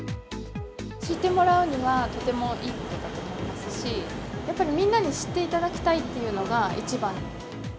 知ってもらうには、とてもいいことだと思いますし、やっぱりみんなに知っていただきたいっていうのが一番。